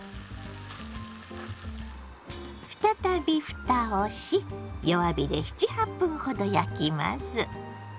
再びふたをし弱火で７８分ほど焼きます。